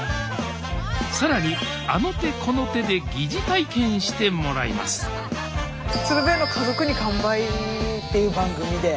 更にあの手この手で疑似体験してもらいます「鶴瓶の家族に乾杯」っていう番組で。